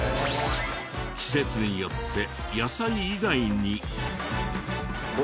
季節によって野菜以外に。